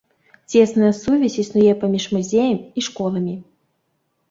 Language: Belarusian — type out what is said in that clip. Цесная сувязь існуе паміж музеем і школамі.